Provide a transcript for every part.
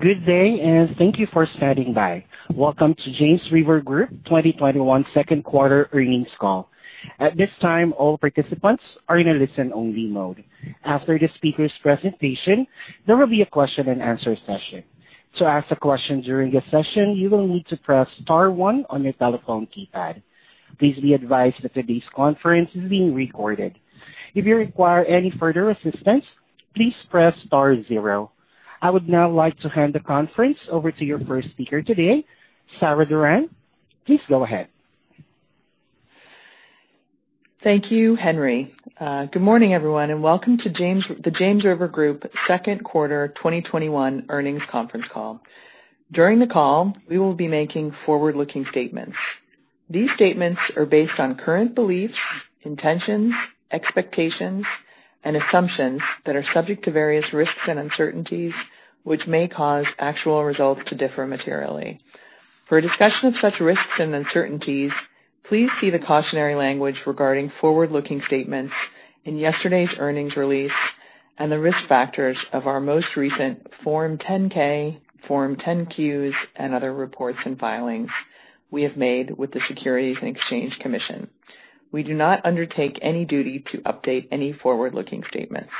Good day. Thank you for standing by. Welcome to James River Group 2021 second quarter earnings call. At this time, all participants are in a listen-only mode. After the speaker's presentation, there will be a question and answer session. To ask a question during the session, you will need to press star one on your telephone keypad. Please be advised that today's conference is being recorded. If you require any further assistance, please press star zero. I would now like to hand the conference over to your first speaker today, Sarah Doran. Please go ahead. Thank you, Henry. Good morning, everyone. Welcome to the James River Group second quarter 2021 earnings conference call. During the call, we will be making forward-looking statements. These statements are based on current beliefs, intentions, expectations, and assumptions that are subject to various risks and uncertainties, which may cause actual results to differ materially. For a discussion of such risks and uncertainties, please see the cautionary language regarding forward-looking statements in yesterday's earnings release and the risk factors of our most recent Form 10-K, Form 10-Qs, and other reports and filings we have made with the Securities and Exchange Commission. We do not undertake any duty to update any forward-looking statements.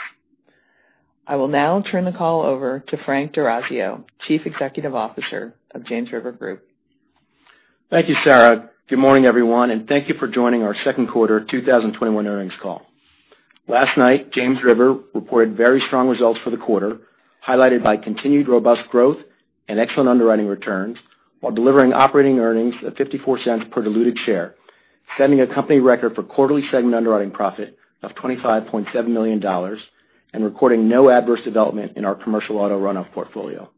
I will now turn the call over to Frank D'Orazio, Chief Executive Officer of James River Group. Thank you, Sarah. Good morning, everyone. Thank you for joining our second quarter 2021 earnings call. Last night, James River reported very strong results for the quarter, highlighted by continued robust growth and excellent underwriting returns while delivering operating earnings of $0.54 per diluted share, setting a company record for quarterly segment underwriting profit of $25.7 million and recording no adverse development in our commercial auto runoff portfolio.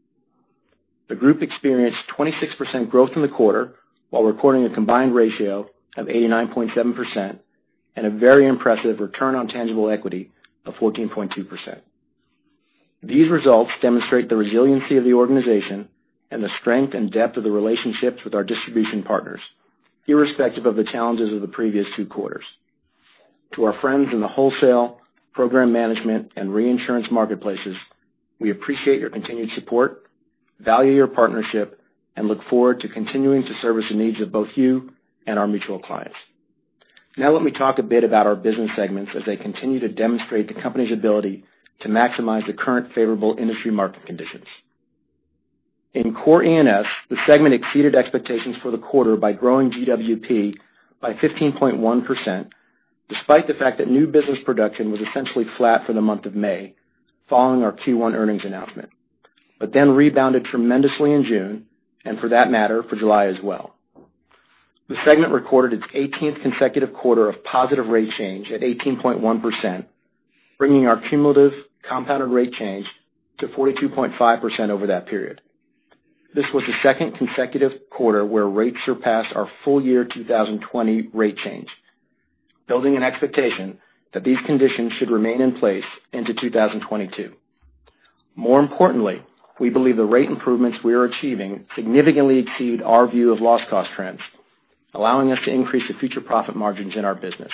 The group experienced 26% growth in the quarter while recording a combined ratio of 89.7% and a very impressive return on tangible equity of 14.2%. These results demonstrate the resiliency of the organization and the strength and depth of the relationships with our distribution partners, irrespective of the challenges of the previous two quarters. To our friends in the wholesale program management and reinsurance marketplaces, we appreciate your continued support, value your partnership. We look forward to continuing to service the needs of both you and our mutual clients. Let me talk a bit about our business segments as they continue to demonstrate the company's ability to maximize the current favorable industry market conditions. In core E&S, the segment exceeded expectations for the quarter by growing GWP by 15.1%, despite the fact that new business production was essentially flat for the month of May following our Q1 earnings announcement, rebounded tremendously in June. For that matter, for July as well. The segment recorded its 18th consecutive quarter of positive rate change at 18.1%, bringing our cumulative compounded rate change to 42.5% over that period. This was the second consecutive quarter where rates surpassed our full year 2020 rate change, building an expectation that these conditions should remain in place into 2022. More importantly, we believe the rate improvements we are achieving significantly exceed our view of loss cost trends, allowing us to increase the future profit margins in our business.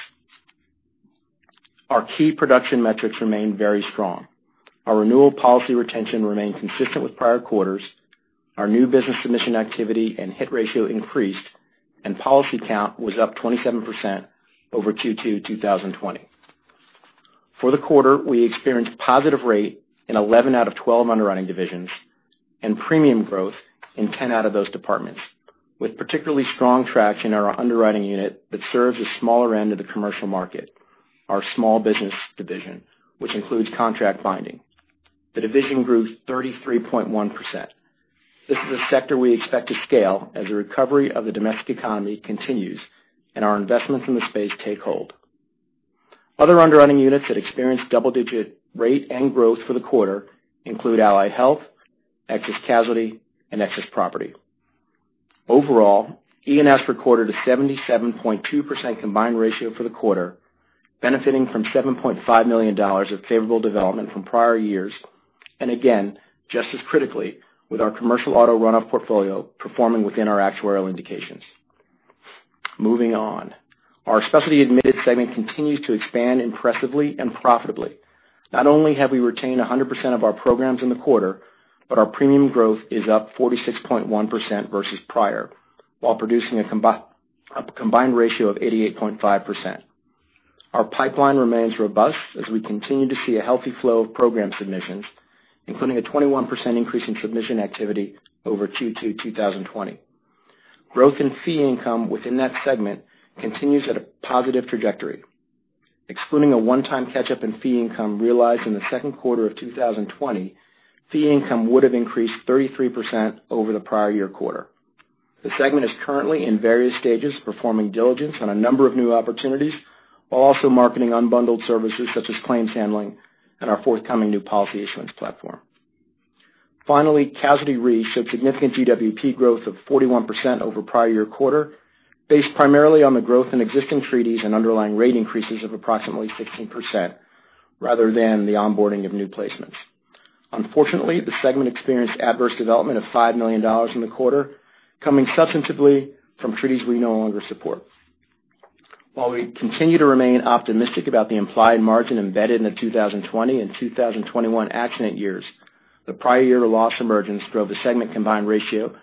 Our key production metrics remain very strong. Our renewal policy retention remained consistent with prior quarters. Our new business submission activity and hit ratio increased, and policy count was up 27% over Q2 2020. For the quarter, we experienced positive rate in 11 out of 12 underwriting divisions and premium growth in 10 out of those departments, with particularly strong traction in our underwriting unit that serves the smaller end of the commercial market, our small business division, which includes contract binding. The division grew 33.1%. This is a sector we expect to scale as the recovery of the domestic economy continues and our investments in the space take hold. Other underwriting units that experienced double-digit rate and growth for the quarter include Allied Health, Excess Casualty, and Excess Property. Overall, E&S recorded a 77.2% combined ratio for the quarter, benefiting from $7.5 million of favorable development from prior years. Again, just as critically with our commercial auto runoff portfolio performing within our actuarial indications. Moving on. Our specialty admitted segment continues to expand impressively and profitably. Not only have we retained 100% of our programs in the quarter, our premium growth is up 46.1% versus prior, while producing a combined ratio of 88.5%. Our pipeline remains robust as we continue to see a healthy flow of program submissions, including a 21% increase in submission activity over Q2 2020. Growth in fee income within that segment continues at a positive trajectory. Excluding a one-time catch-up in fee income realized in the second quarter of 2020, fee income would have increased 33% over the prior year quarter. The segment is currently in various stages of performing diligence on a number of new opportunities while also marketing unbundled services such as claims handling and our forthcoming new policy issuance platform. Finally, Casualty Reinsurance showed significant GWP growth of 41% over prior year quarter, based primarily on the growth in existing treaties and underlying rate increases of approximately 16%, rather than the onboarding of new placements. Unfortunately, the segment experienced adverse development of $5 million in the quarter, coming substantively from treaties we no longer support. While we continue to remain optimistic about the implied margin embedded in the 2020 and 2021 accident years, the prior year loss emergence drove the segment combined ratio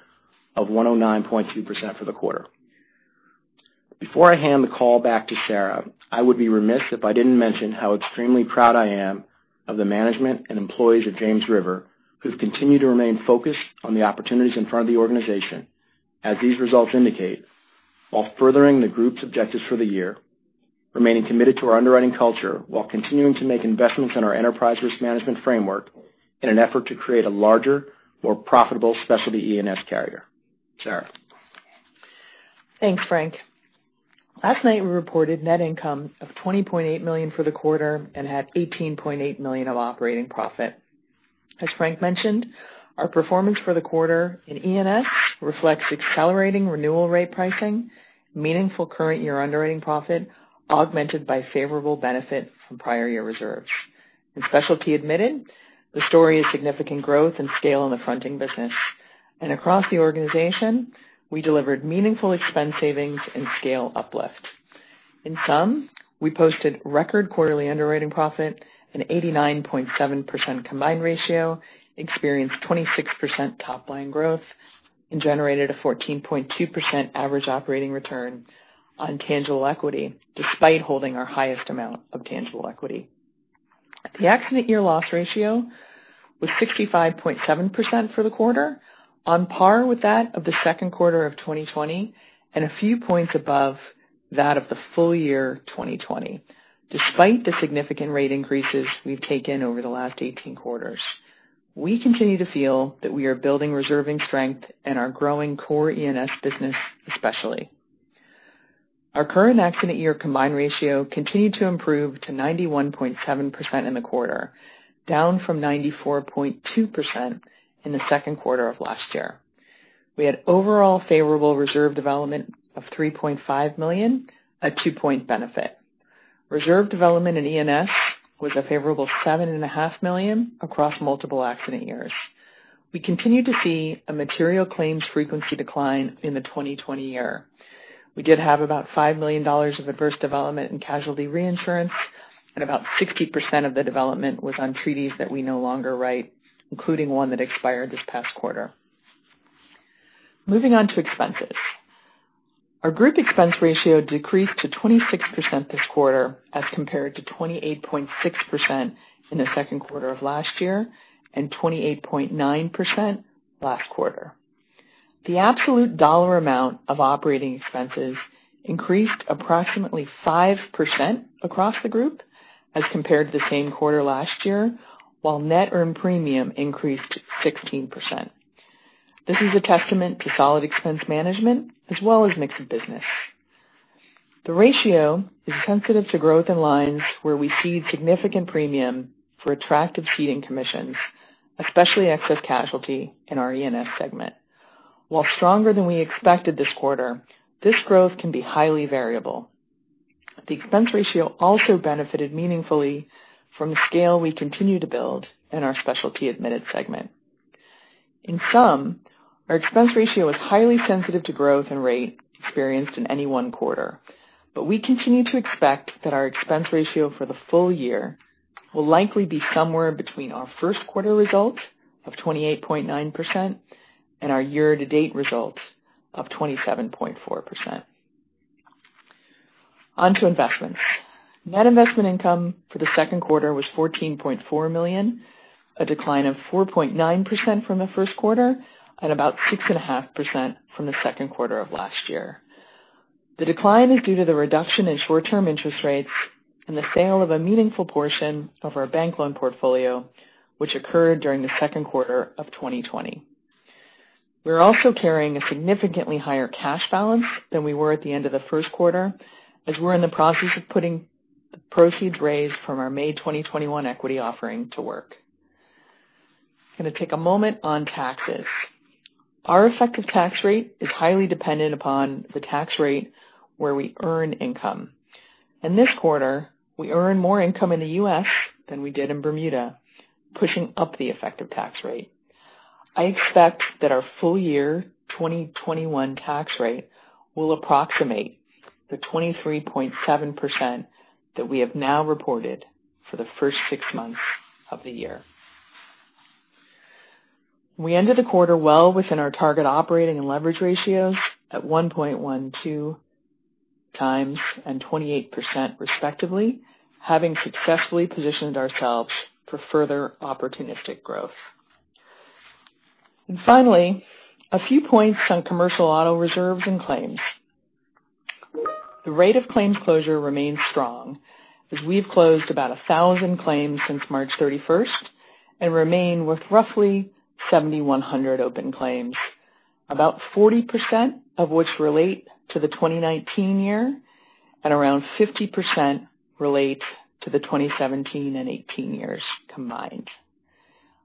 of 109.2% for the quarter. Before I hand the call back to Sarah, I would be remiss if I didn't mention how extremely proud I am of the management and employees at James River, who've continued to remain focused on the opportunities in front of the organization, as these results indicate, while furthering the group's objectives for the year, remaining committed to our underwriting culture while continuing to make investments in our enterprise risk management framework in an effort to create a larger, more profitable specialty E&S carrier. Sarah. Thanks, Frank. Last night, we reported net income of $20.8 million for the quarter and had $18.8 million of operating profit. As Frank mentioned, our performance for the quarter in E&S reflects accelerating renewal rate pricing, meaningful current year underwriting profit, augmented by favorable benefit from prior year reserves. In specialty admitted, the story is significant growth and scale in the fronting business. Across the organization, we delivered meaningful expense savings and scale uplift. In sum, we posted record quarterly underwriting profit, an 89.7% combined ratio, experienced 26% top-line growth, and generated a 14.2% average operating return on tangible equity, despite holding our highest amount of tangible equity. The accident year loss ratio was 65.7% for the quarter, on par with that of the second quarter of 2020, and a few points above that of the full year 2020, despite the significant rate increases we've taken over the last 18 quarters. We continue to feel that we are building reserving strength in our growing core E&S business especially. Our current accident year combined ratio continued to improve to 91.7% in the quarter, down from 94.2% in the second quarter of last year. We had overall favorable reserve development of $3.5 million, a two-point benefit. Reserve development in E&S was a favorable $seven and a half million across multiple accident years. We continue to see a material claims frequency decline in the 2020 year. We did have about $5 million of adverse development in Casualty Reinsurance, and about 60% of the development was on treaties that we no longer write, including one that expired this past quarter. Moving on to expenses. Our group expense ratio decreased to 26% this quarter as compared to 28.6% in the second quarter of last year and 28.9% last quarter. The absolute dollar amount of operating expenses increased approximately 5% across the group as compared to the same quarter last year, while net earned premium increased 16%. This is a testament to solid expense management as well as mix of business. The ratio is sensitive to growth in lines where we cede significant premium for attractive ceding commissions, especially Excess Casualty in our E&S segment. While stronger than we expected this quarter, this growth can be highly variable. The expense ratio also benefited meaningfully from the scale we continue to build in our specialty admitted segment. In sum, our expense ratio is highly sensitive to growth and rate experienced in any one quarter. We continue to expect that our expense ratio for the full year will likely be somewhere between our first quarter result of 28.9% and our year-to-date result of 27.4%. On to investments. Net investment income for the second quarter was $14.4 million, a decline of 4.9% from the first quarter and about 6.5% from the second quarter of last year. The decline is due to the reduction in short-term interest rates and the sale of a meaningful portion of our bank loan portfolio, which occurred during the second quarter of 2020. We're also carrying a significantly higher cash balance than we were at the end of the first quarter, as we're in the process of putting the proceeds raised from our May 2021 equity offering to work. I'm going to take a moment on taxes. Our effective tax rate is highly dependent upon the tax rate where we earn income. In this quarter, we earned more income in the U.S. than we did in Bermuda, pushing up the effective tax rate. I expect that our full year 2021 tax rate will approximate the 23.7% that we have now reported for the first six months of the year. We ended the quarter well within our target operating and leverage ratios at 1.12 times and 28%, respectively, having successfully positioned ourselves for further opportunistic growth. Finally, a few points on commercial auto reserves and claims. The rate of claims closure remains strong as we've closed about 1,000 claims since March 31st and remain with roughly 7,100 open claims. About 40% of which relate to the 2019 year and around 50% relate to the 2017 and '18 years combined.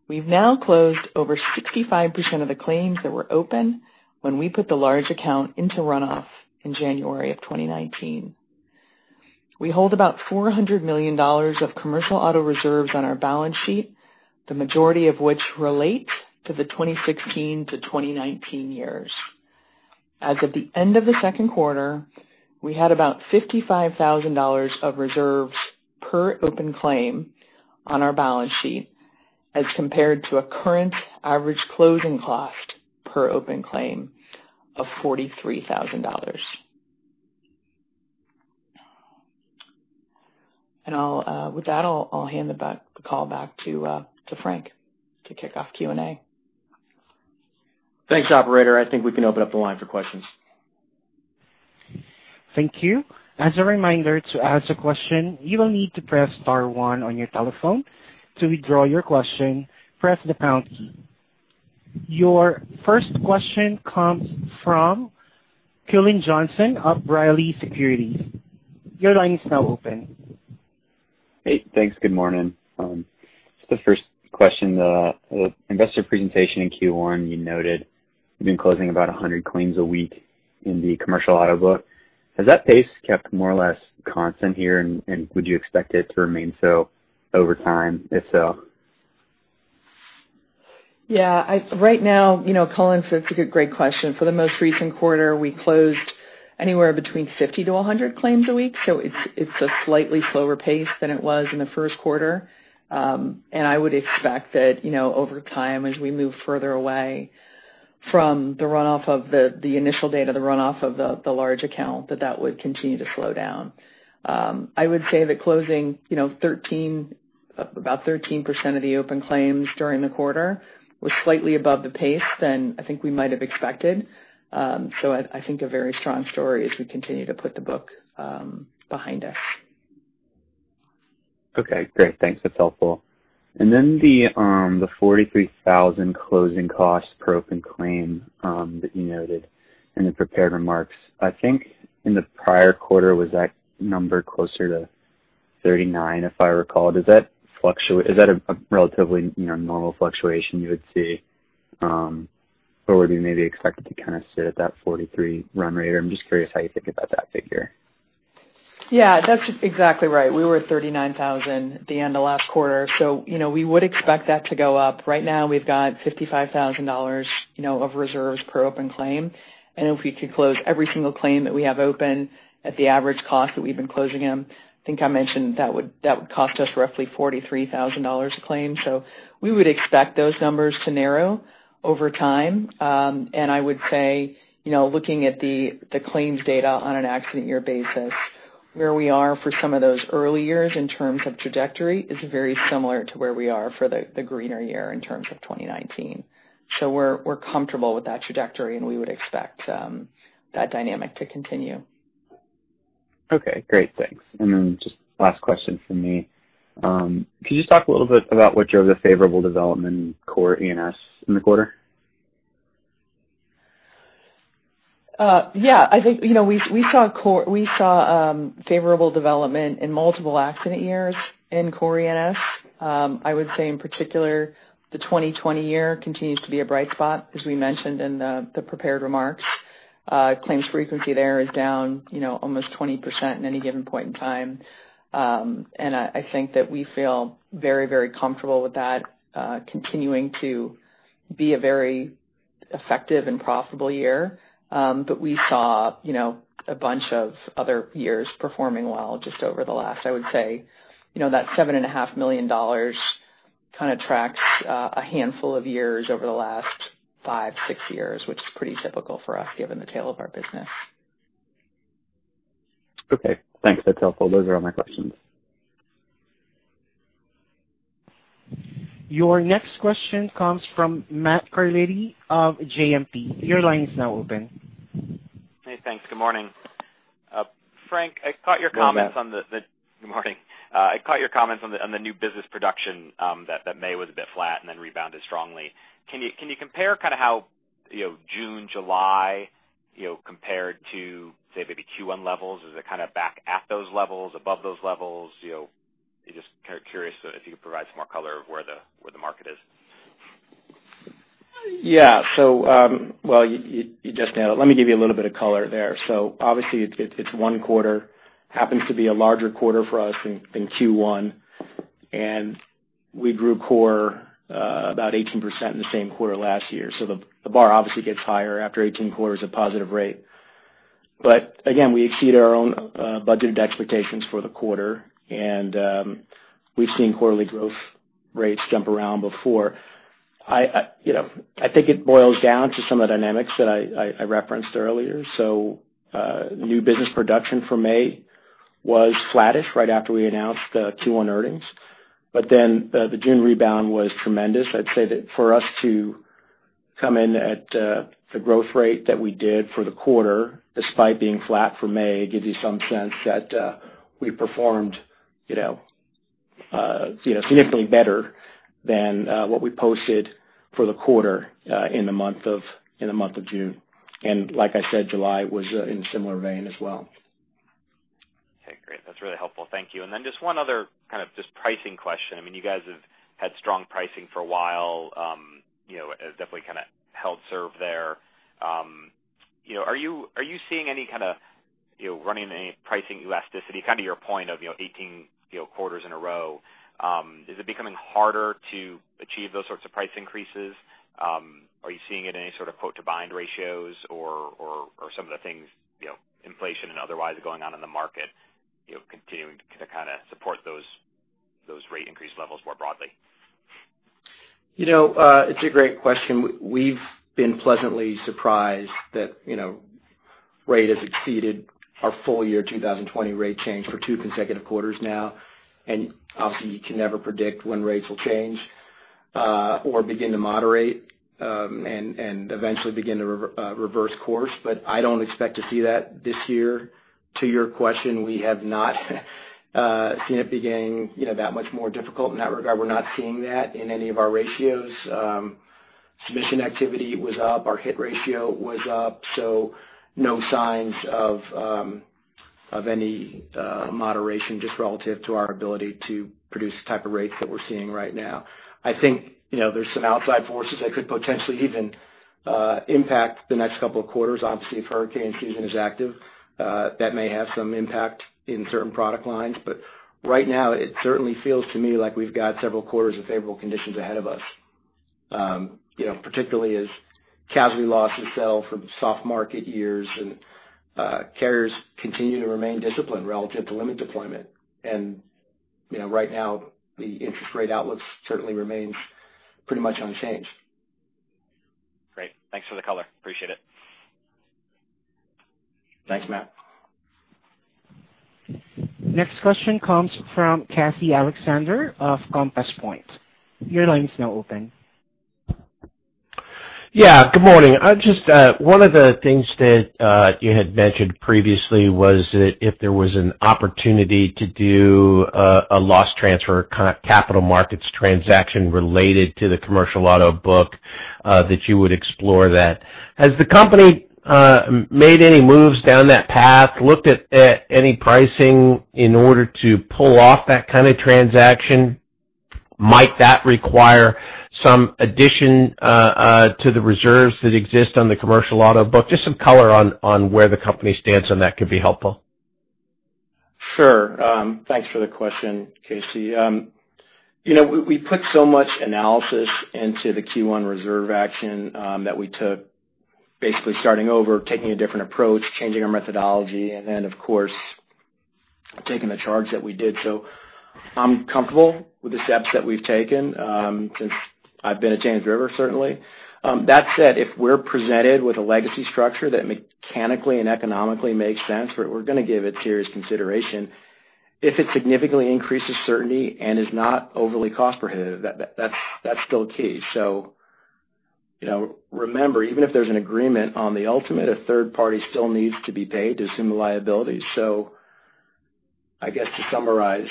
We've now closed over 65% of the claims that were open when we put the large account into runoff in January of 2019. We hold about $400 million of commercial auto reserves on our balance sheet, the majority of which relate to the 2016 to 2019 years. As of the end of the second quarter, we had about $55,000 of reserves per open claim on our balance sheet as compared to a current average closing cost per open claim of $43,000. With that, I'll hand the call back to Frank to kick off Q&A. Thanks, operator. I think we can open up the line for questions. Thank you. As a reminder, to ask a question, you will need to press star one on your telephone. To withdraw your question, press the pound key. Your first question comes from Cullen Johnson of B. Riley Securities. Your line is now open. Hey, thanks. Good morning. Just the first question. The investor presentation in Q1, you noted you've been closing about 100 claims a week in the commercial auto book. Has that pace kept more or less constant here, and would you expect it to remain so over time, if so? Yeah. Right now, Cullen, that's a great question. For the most recent quarter, we closed anywhere between 50 to 100 claims a week, so it's a slightly slower pace than it was in the first quarter. I would expect that over time, as we move further away from the initial date of the runoff of the large account, that that would continue to slow down. I would say that closing about 13% of the open claims during the quarter was slightly above the pace than I think we might have expected. I think a very strong story as we continue to put the book behind us. Okay, great. Thanks. That's helpful. The $43,000 closing cost per open claim that you noted in the prepared remarks. I think in the prior quarter, was that number closer to $39,000, if I recall. Is that a relatively normal fluctuation you would see? Or would we maybe expect it to sit at that $43,000 run rate? I'm just curious how you think about that figure. Yeah, that's exactly right. We were at $39,000 at the end of last quarter. We would expect that to go up. Right now, we've got $55,000 of reserves per open claim, and if we could close every single claim that we have open at the average cost that we've been closing them, I think I mentioned that would cost us roughly $43,000 a claim. We would expect those numbers to narrow over time. I would say, looking at the claims data on an accident year basis, where we are for some of those early years in terms of trajectory is very similar to where we are for the greener year in terms of 2019. We're comfortable with that trajectory, and we would expect that dynamic to continue. Okay, great. Thanks. Just last question from me. Could you just talk a little bit about what drove the favorable development in Core E&S in the quarter? Yeah. I think we saw favorable development in multiple accident years in Core E&S. I would say in particular, the 2020 year continues to be a bright spot, as we mentioned in the prepared remarks. Claims frequency there is down almost 20% in any given point in time. I think that we feel very comfortable with that continuing to be a very effective and profitable year. We saw a bunch of other years performing well just over the last, I would say, that $7.5 million kind of tracks a handful of years over the last five, six years, which is pretty typical for us given the tail of our business. Okay, thanks. That's helpful. Those are all my questions. Your next question comes from Matt Carletti of JMP. Your line is now open. Hey, thanks. Good morning. Good morning, Matt. Good morning. I caught your comments on the new business production that May was a bit flat and then rebounded strongly. Can you compare how June, July compared to, say, maybe Q1 levels? Is it back at those levels, above those levels? Just curious if you could provide some more color of where the market is. Yeah. Well, you just nailed it. Let me give you a little bit of color there. Obviously, it's one quarter, happens to be a larger quarter for us than Q1, and we grew core about 18% in the same quarter last year. The bar obviously gets higher after 18 quarters of positive rate. Again, we exceed our own budgeted expectations for the quarter, and we've seen quarterly growth rates jump around before. I think it boils down to some of the dynamics that I referenced earlier. New business production for May was flattish right after we announced the Q1 earnings. The June rebound was tremendous. I'd say that for us to come in at the growth rate that we did for the quarter, despite being flat for May, gives you some sense that we performed significantly better than what we posted for the quarter in the month of June. Like I said, July was in a similar vein as well. Okay, great. That's really helpful. Thank you. Just one other pricing question. You guys have had strong pricing for a while. Has definitely kind of held serve there. Are you seeing any kind of running any pricing elasticity, kind of to your point of 18 quarters in a row? Is it becoming harder to achieve those sorts of price increases? Are you seeing it any sort of quote-to-bind ratios or some of the things inflation and otherwise going on in the market continuing to kind of support those rate increase levels more broadly? It's a great question. We've been pleasantly surprised that rate has exceeded our full year 2020 rate change for two consecutive quarters now. Obviously you can never predict when rates will change, or begin to moderate, and eventually begin to reverse course. I don't expect to see that this year. To your question, we have not seen it becoming that much more difficult in that regard. We're not seeing that in any of our ratios. Submission activity was up, our hit ratio was up. No signs of any moderation just relative to our ability to produce the type of rates that we're seeing right now. I think there's some outside forces that could potentially even impact the next couple of quarters. Obviously, if hurricane season is active, that may have some impact in certain product lines. Right now it certainly feels to me like we've got several quarters of favorable conditions ahead of us. Particularly as casualty losses sell from soft market years and carriers continue to remain disciplined relative to limit deployment. Right now, the interest rate outlook certainly remains pretty much unchanged. Great. Thanks for the color. Appreciate it. Thanks, Matt. Next question comes from Casey Alexander of Compass Point. Your line is now open. Yeah, good morning. One of the things that you had mentioned previously was that if there was an opportunity to do a loss transfer capital markets transaction related to the commercial auto book, that you would explore that. Has the company made any moves down that path, looked at any pricing in order to pull off that kind of transaction? Might that require some addition to the reserves that exist on the commercial auto book? Just some color on where the company stands on that could be helpful. Sure. Thanks for the question, Casey. We put so much analysis into the Q1 reserve action that we took, basically starting over, taking a different approach, changing our methodology, and then, of course, taking the charge that we did. I'm comfortable with the steps that we've taken since I've been at James River, certainly. That said, if we're presented with a legacy structure that mechanically and economically makes sense, we're going to give it serious consideration. If it significantly increases certainty and is not overly cost prohibitive, that's still key. Remember, even if there's an agreement on the ultimate, a third party still needs to be paid to assume the liability. I guess to summarize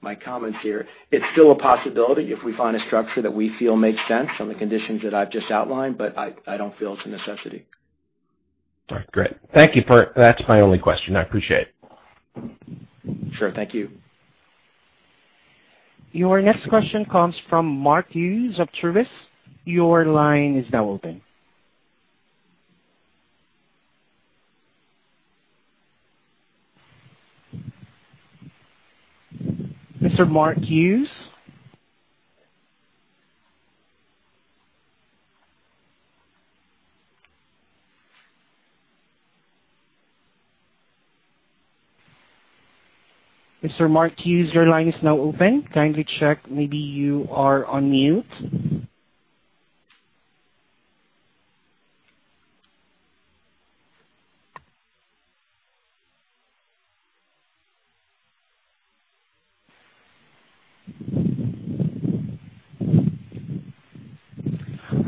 my comments here, it's still a possibility if we find a structure that we feel makes sense on the conditions that I've just outlined, but I don't feel it's a necessity. All right, great. Thank you. That's my only question. I appreciate it. Sure. Thank you. Your next question comes from Mark Hughes of Truist. Your line is now open. Mr. Mark Hughes? Mr. Mark Hughes, your line is now open. Kindly check maybe you are on mute.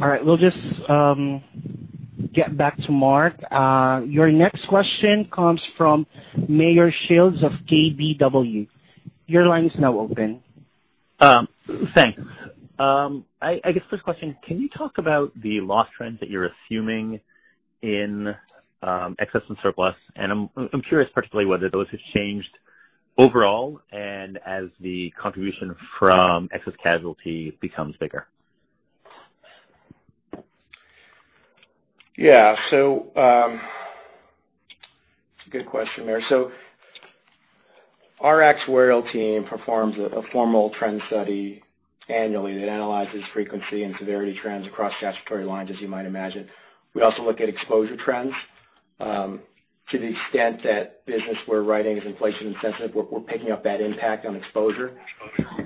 All right, we'll just get back to Mark. Your next question comes from Meyer Shields of KBW. Your line is now open. Thanks. First question, can you talk about the loss trends that you're assuming in Excess and Surplus? I'm curious particularly whether those have changed overall and as the contribution from Excess Casualty becomes bigger. Yeah. Good question, Meyer. Our actuarial team performs a formal trend study annually that analyzes frequency and severity trends across statutory lines, as you might imagine. We also look at exposure trends. To the extent that business we're writing is inflation incentive, we're picking up that impact on exposure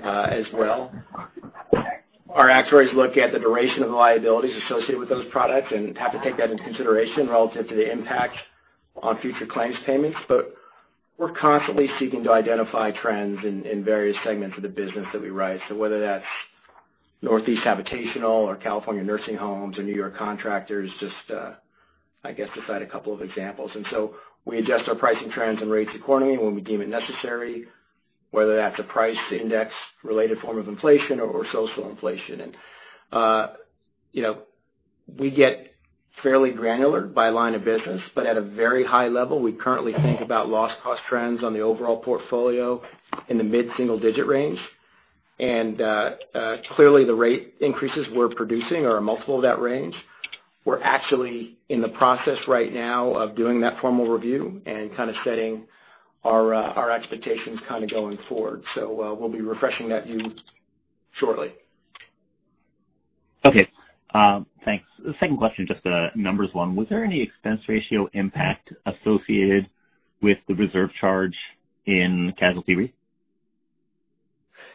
as well. Our actuaries look at the duration of the liabilities associated with those products and have to take that into consideration relative to the impact on future claims payments. We're constantly seeking to identify trends in various segments of the business that we write. Whether that's Northeast habitational or California nursing homes or New York contractors, just I guess to cite a couple of examples. We adjust our pricing trends and rates accordingly when we deem it necessary, whether that's a price index related form of inflation or social inflation. We get fairly granular by line of business, but at a very high level, we currently think about loss cost trends on the overall portfolio in the mid-single digit range. Clearly, the rate increases we're producing are a multiple of that range. We're actually in the process right now of doing that formal review and setting our expectations going forward. We'll be refreshing that view shortly. Okay. Thanks. The second question, just a numbers one. Was there any expense ratio impact associated with the reserve charge in Casualty Re?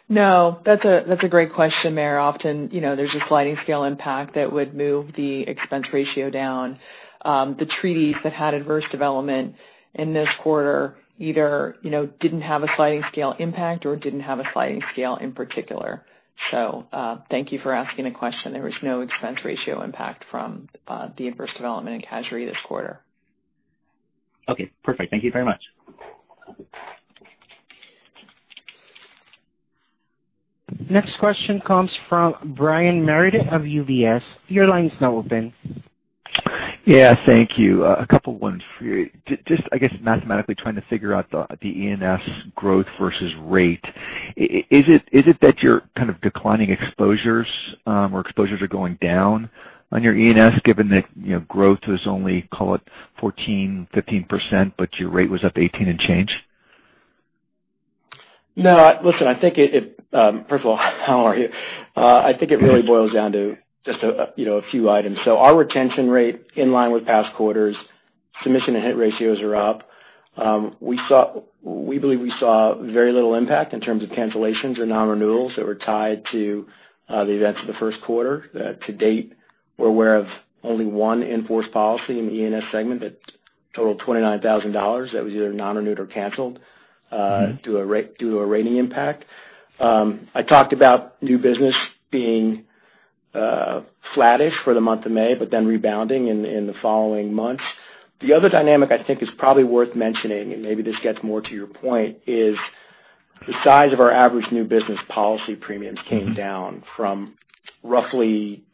No, that's a great question, Meyer. Often, there's a sliding scale impact that would move the expense ratio down. The treaties that had adverse development in this quarter either didn't have a sliding scale impact or didn't have a sliding scale in particular. So, thank you for asking the question. There was no expense ratio impact from the adverse development in casualty this quarter. Okay, perfect. Thank you very much. Next question comes from Brian Meredith of UBS. Your line is now open. Yeah, thank you. A couple ones for you. Just, I guess, mathematically trying to figure out the E&S growth versus rate. Is it that you're kind of declining exposures, or exposures are going down on your E&S, given that growth was only, call it 14%, 15%, but your rate was up 18 and change? No, listen, first of all, how are you? I think it really boils down to just a few items. Our retention rate in line with past quarters, submission to hit ratios are up. We believe we saw very little impact in terms of cancellations or non-renewals that were tied to the events of the first quarter. To date, we are aware of only one in-force policy in the E&S segment that totaled $29,000. That was either non-renewed or canceled- due to a rating impact. I talked about new business being flattish for the month of May, but then rebounding in the following months. The other dynamic I think is probably worth mentioning, and maybe this gets more to your point, is the size of our average new business policy premiums came down from roughly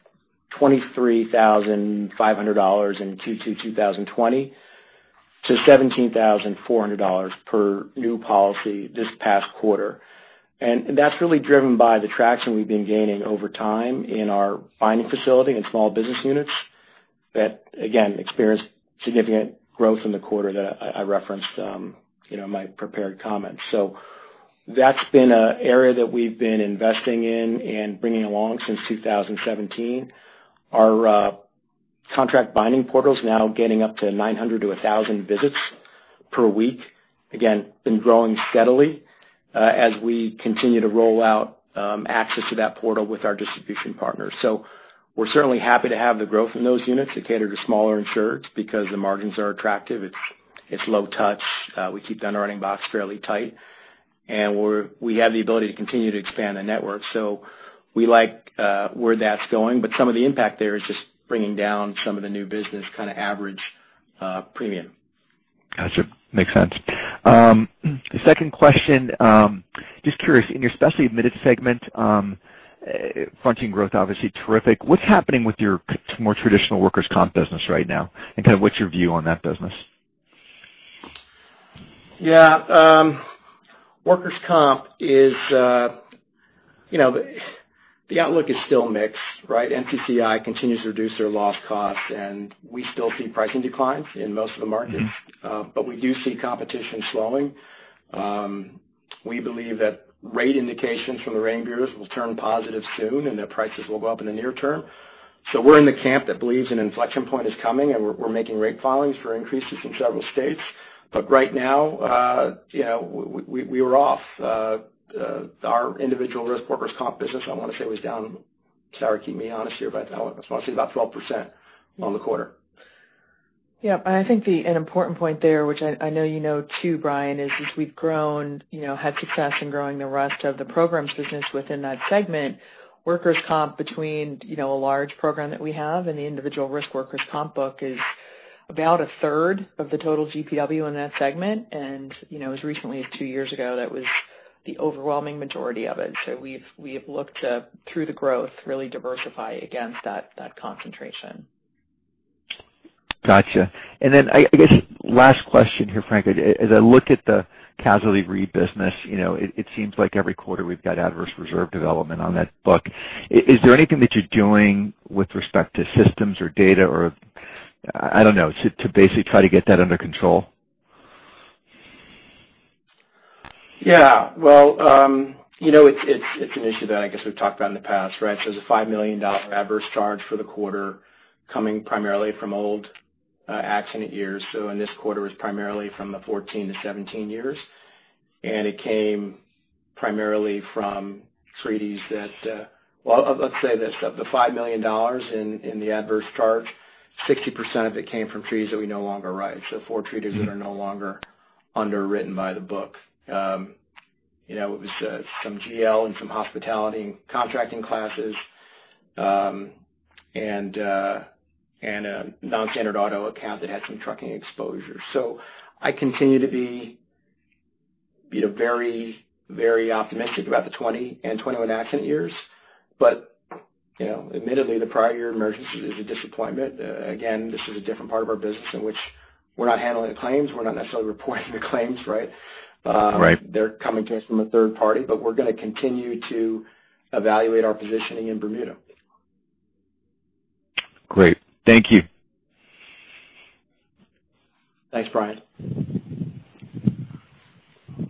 $23,500 in Q2 2020 to $17,400 per new policy this past quarter. That is really driven by the traction we have been gaining over time in our binding facility and small business units that, again, experienced significant growth in the quarter that I referenced in my prepared comments. That has been an area that we have been investing in and bringing along since 2017. Our contract binding portal's now getting up to 900 to 1,000 visits per week. Again, been growing steadily as we continue to roll out access to that portal with our distribution partners. We are certainly happy to have the growth in those units that cater to smaller insureds because the margins are attractive. It is low touch. We keep the underwriting box fairly tight, and we have the ability to continue to expand the network. We like where that is going, but some of the impact there is just bringing down some of the new business average premium. Got you. Makes sense. Second question, just curious, in your specialty admitted segment, fronting growth, obviously terrific. What is happening with your more traditional workers' comp business right now, and what is your view on that business? Yeah. Workers' comp, the outlook is still mixed, right? NCCI continues to reduce their loss costs, we still see pricing declines in most of the markets. We do see competition slowing. We believe that rate indications from the rating bureaus will turn positive soon and that prices will go up in the near term. We're in the camp that believes an inflection point is coming, and we're making rate filings for increases in several states. Right now, we were off. Our individual risk workers' comp business, I want to say was down, Sarah, keep me honest here, but I want to say about 12% on the quarter. Yep. I think an important point there, which I know you know too, Brian, is as we've grown, had success in growing the rest of the programs business within that segment, workers' comp between a large program that we have and the individual risk workers' comp book is about a third of the total GWP in that segment. As recently as two years ago, that was the overwhelming majority of it. We've looked to, through the growth, really diversify against that concentration. Got you. I guess last question here, Frank. As I look at the Casualty Re business, it seems like every quarter we've got adverse reserve development on that book. Is there anything that you're doing with respect to systems or data or, I don't know, to basically try to get that under control? Yeah. Well, it's an issue that I guess we've talked about in the past, right? There's a $5 million adverse charge for the quarter coming primarily from old accident years. In this quarter, it was primarily from the 2014 to 2017 years, and it came primarily from treaties that. Well, let's say this, of the $5 million in the adverse charge, 60% of it came from treaties that we no longer write. Four treaties that are no longer underwritten by the book. It was some GL and some hospitality and contracting classes, and a non-standard auto account that had some trucking exposure. I continue to be very optimistic about the 2020 and 2021 accident years. Admittedly, the prior year emergence is a disappointment. Again, this is a different part of our business in which we're not handling the claims. We're not necessarily reporting the claims, right? Right. They're coming to us from a third party. We're going to continue to evaluate our positioning in Bermuda. Great. Thank you. Thanks, Brian.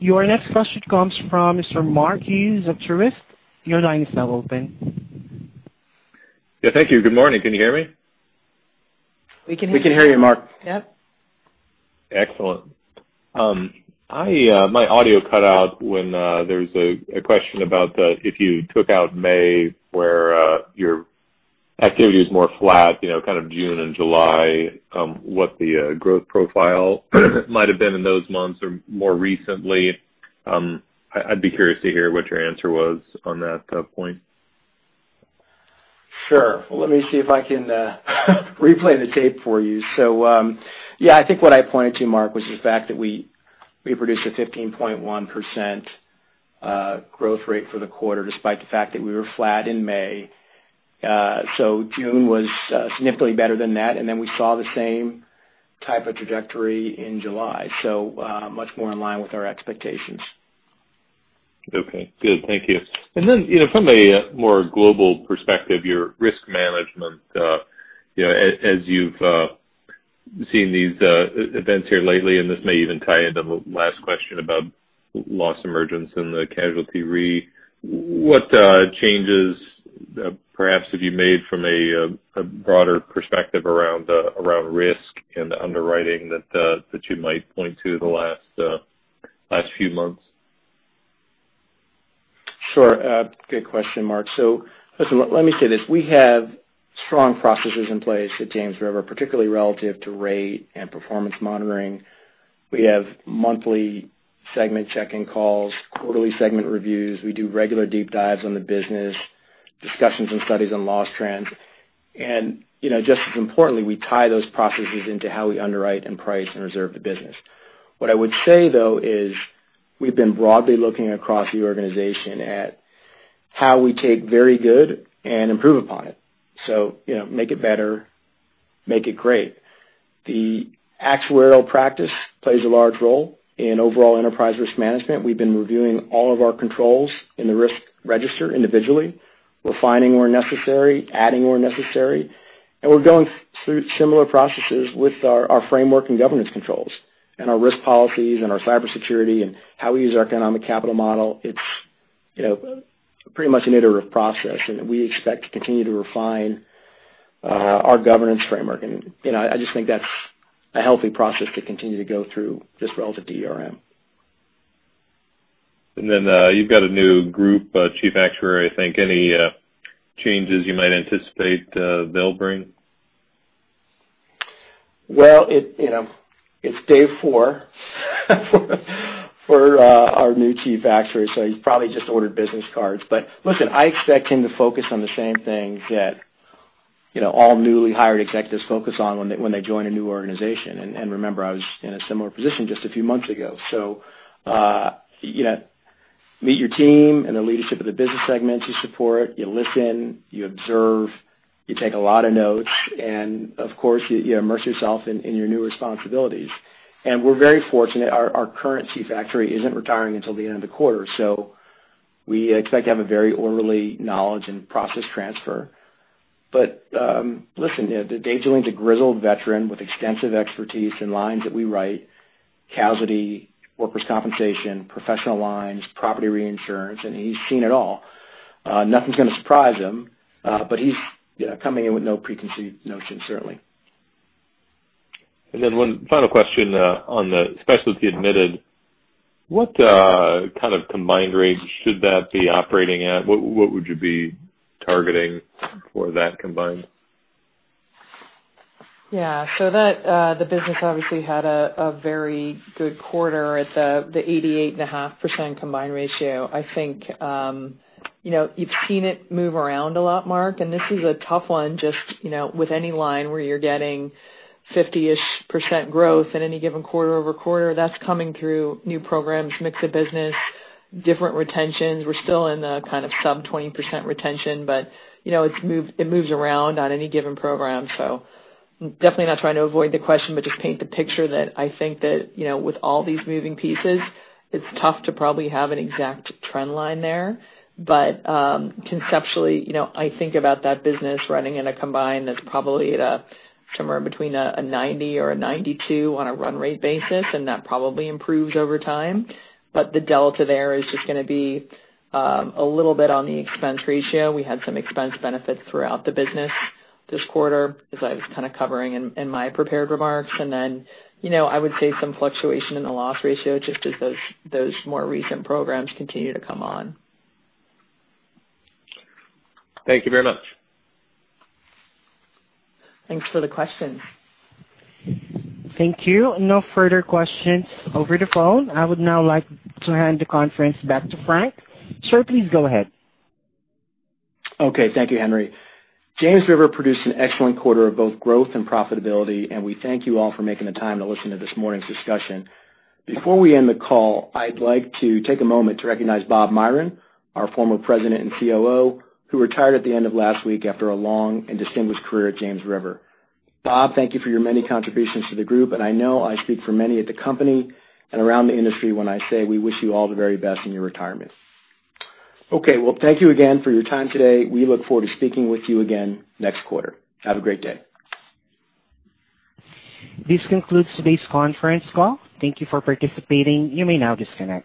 Your next question comes from Mr. Mark Hughes of Truist. Your line is now open. Yeah, thank you. Good morning. Can you hear me? We can hear you, Mark. Yep. Excellent. My audio cut out when there was a question about if you took out May, where your activity is more flat, kind of June and July, what the growth profile might have been in those months or more recently. I'd be curious to hear what your answer was on that point. Sure. Well, let me see if I can replay the tape for you. Yeah, I think what I pointed to, Mark, was the fact that we produced a 15.1% growth rate for the quarter, despite the fact that we were flat in May. June was significantly better than that, and then we saw the same type of trajectory in July, much more in line with our expectations. Okay, good. Thank you. From a more global perspective, your risk management, as you've seen these events here lately, and this may even tie into the last question about loss emergence and the casualty re, what changes, perhaps, have you made from a broader perspective around risk and underwriting that you might point to the last few months? Sure. Good question, Mark. Listen, let me say this. We have strong processes in place at James River, particularly relative to rate and performance monitoring. We have monthly segment check-in calls, quarterly segment reviews. We do regular deep dives on the business, discussions and studies on loss trends. Just as importantly, we tie those processes into how we underwrite and price and reserve the business. What I would say, though, is we've been broadly looking across the organization at how we take very good and improve upon it. Make it better, make it great. The actuarial practice plays a large role in overall enterprise risk management. We've been reviewing all of our controls in the risk register individually. We're refining where necessary, adding where necessary, and we're going through similar processes with our framework and governance controls and our risk policies and our cybersecurity and how we use our economic capital model. It's pretty much an iterative process, and we expect to continue to refine our governance framework. I just think that's a healthy process to continue to go through, just relative to ERM. Then, you've got a new group chief actuary, I think. Any changes you might anticipate they'll bring? Well, it's day four for our new chief actuary, so he's probably just ordered business cards. Listen, I expect him to focus on the same things that all newly hired executives focus on when they join a new organization. Remember, I was in a similar position just a few months ago. Meet your team and the leadership of the business segments you support. You listen, you observe, you take a lot of notes, and of course, you immerse yourself in your new responsibilities. We're very fortunate our current chief actuary isn't retiring until the end of the quarter, so we expect to have a very orderly knowledge and process transfer. Listen, Bill Joling's a grizzled veteran with extensive expertise in lines that we write, casualty, workers' compensation, professional lines, property reinsurance, and he's seen it all. Nothing's going to surprise him, but he's coming in with no preconceived notions, certainly. One final question on the specialty admitted. What kind of combined range should that be operating at? What would you be targeting for that combined? Yeah. The business obviously had a very good quarter at the 88.5% combined ratio. I think you've seen it move around a lot, Mark, and this is a tough one, just with any line where you're getting 50%-ish growth in any given quarter-over-quarter. That's coming through new programs, mix of business, different retentions. We're still in the kind of sub 20% retention, but it moves around on any given program. Definitely not trying to avoid the question, but just paint the picture that I think that with all these moving pieces, it's tough to probably have an exact trend line there. Conceptually, I think about that business running in a combine that's probably at somewhere between a 90 or a 92 on a run rate basis, and that probably improves over time. The delta there is just going to be a little bit on the expense ratio. We had some expense benefits throughout the business this quarter, as I was kind of covering in my prepared remarks. I would say some fluctuation in the loss ratio, just as those more recent programs continue to come on. Thank you very much. Thanks for the question. Thank you. No further questions over the phone. I would now like to hand the conference back to Frank. Sir, please go ahead. Okay. Thank you, Henry. James River produced an excellent quarter of both growth and profitability. We thank you all for making the time to listen to this morning's discussion. Before we end the call, I'd like to take a moment to recognize Robert Myron, our former president and COO, who retired at the end of last week after a long and distinguished career at James River. Bob, thank you for your many contributions to the group, and I know I speak for many at the company and around the industry when I say, we wish you all the very best in your retirement. Okay. Well, thank you again for your time today. We look forward to speaking with you again next quarter. Have a great day. This concludes today's conference call. Thank you for participating. You may now disconnect.